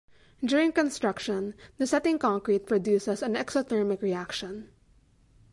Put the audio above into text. During construction, the setting concrete produces a exothermic reaction.